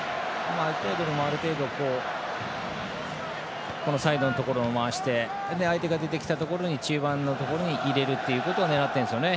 エクアドルもある程度サイドのところで回して相手が出てきたところに中盤に入れるというのを狙ってるんですよね。